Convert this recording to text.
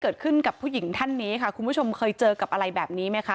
เกิดขึ้นกับผู้หญิงท่านนี้ค่ะคุณผู้ชมเคยเจอกับอะไรแบบนี้ไหมคะ